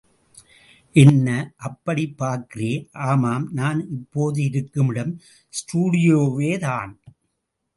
என்ன, அப்படிப் பார்க்கிறே, ஆமாம், நான் இப்போது இருக்கும் இடம் ஸ்டுடியோவேதான்.